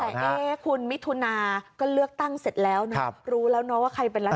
แต่คุณมิถุนาก็เลือกตั้งเสร็จแล้วนะรู้แล้วเนอะว่าใครเป็นรัฐ